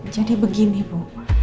jadi begini bu